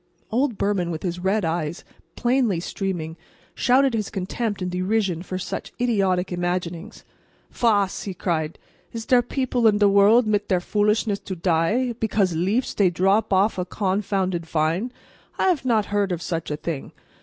Old Behrman, with his red eyes plainly streaming, shouted his contempt and derision for such idiotic imaginings. "Vass!" he cried. "Is dere people in de world mit der foolishness to die because leafs dey drop off from a confounded vine? I haf not heard of such a thing.